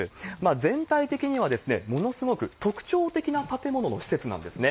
全体的にはものすごく特徴的な建物の施設なんですね。